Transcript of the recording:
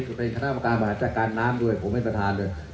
คือเป็นคณะกรรมการบริหารจัดการน้ำด้วยผมเป็นประธานเลย